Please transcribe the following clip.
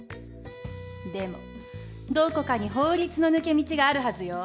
でもどこかに法律の抜け道があるはずよ。